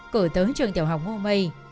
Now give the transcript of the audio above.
cầu tới trường tiểu học ngô mây